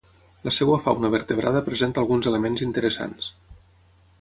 La seva fauna vertebrada presenta alguns elements interessants.